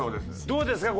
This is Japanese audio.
どうですか？